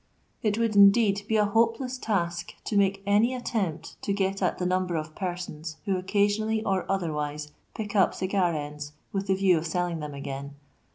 It would, indeed, be a hopeleM tatk to make any attempt to get at the number of penons who occaaionally or otherwiie pick up cigar ends with the fiew of telling them again.